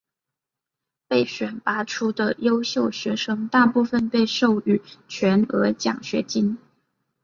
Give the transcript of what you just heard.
被选拔出的优秀学生大部分被授予全额奖学金。